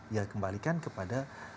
ya kembalikan kepada